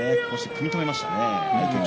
組み止めましたね。